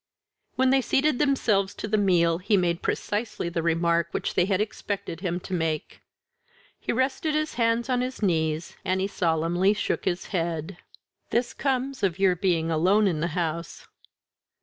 When they seated themselves to the meal he made precisely the remark which they had expected him to make. He rested his hands on his knees, and he solemnly shook his head. "This comes of your being alone in the house!"